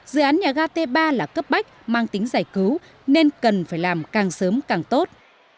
dự án nhà ga t ba là cấp bách mang tính giải cứu nên cần phải làm càng sớm càng tốt